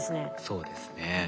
そうですね。